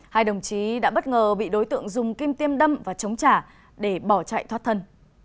hai đồng chí đã bất ngờ bị đối tượng dùng kim tiêm đâm và chống trả để bỏ chạy thoát thân